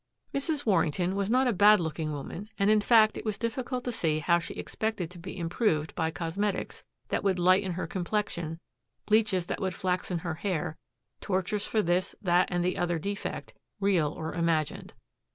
Mrs. Warrington was not a bad looking woman and in fact it was difficult to see how she expected to be improved by cosmetics that would lighten her complexion, bleaches that would flaxen her hair, tortures for this, that, and the other defect, real or imagined.